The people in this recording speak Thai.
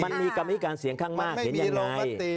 กรรมธิการเสียงข้างมากเห็นอย่างไร